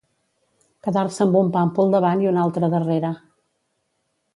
Quedar-se amb un pàmpol davant i un altre darrere.